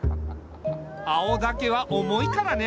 青竹は重いからね。